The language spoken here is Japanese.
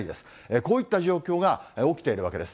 こういった状況が起きているわけです。